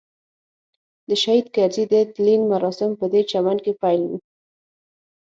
د شهید کرزي د تلین مراسم پدې چمن کې پیل وو.